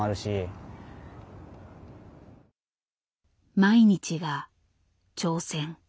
毎日が挑戦。